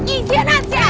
ih sianan sia